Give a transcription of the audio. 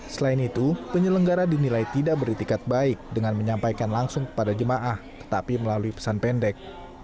selain itu penyelenggara dinilai tidak beritikat baik dengan menyampaikan langsung kepada jemaah tetapi melalui pesan pendek